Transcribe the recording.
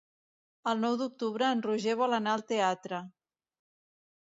El nou d'octubre en Roger vol anar al teatre.